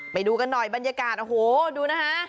ไปดูกันหน่อยบรรยากาศโอ้โหดูนะคะ